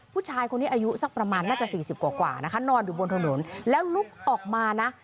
ผู้ชายคนนี้อายุสักประมาณน่าจะสี่สิบกว่านะคะนอนอยู่บนถนนแล้วลุกออกมานะ